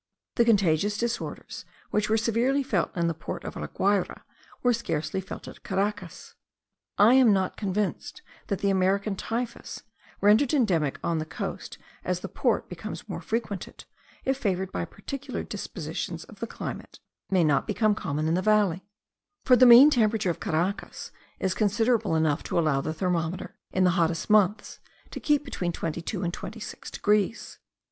The contagious disorders which were severely felt in the port of La Guayra, were scarcely felt at Caracas. I am not convinced that the American typhus, rendered endemic on the coast as the port becomes more frequented, if favoured by particular dispositions of the climate, may not become common in the valley: for the mean temperature of Caracas is considerable enough to allow the thermometer, in the hottest months, to keep between twenty two and twenty six degrees.